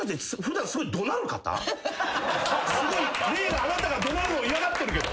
「すごい霊があなたが怒鳴るのを嫌がってるけど」